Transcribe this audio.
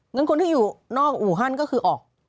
งั้นคนที่อยู่นอกอู่ฮั่นก็คือออก